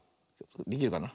できるかな。